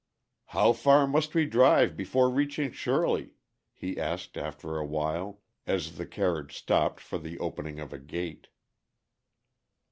"How far must we drive before reaching Shirley?" he asked after awhile, as the carriage stopped for the opening of a gate.